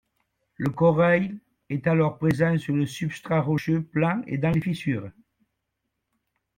Le corail est alors présent sur le substrat rocheux plan et dans les fissures.